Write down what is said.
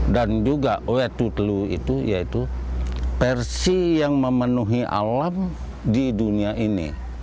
dan juga wetutelu itu yaitu versi yang memenuhi alam di dunia ini